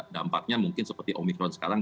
dampaknya mungkin seperti omikron sekarang